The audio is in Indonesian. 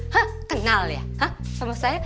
hah kenal ya kak sama saya